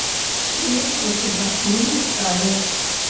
Менш адгружаць мы не сталі.